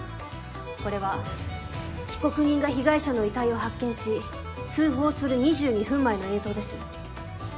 これは被告人が被害者の遺体を発見し通報する２２分前の映像です。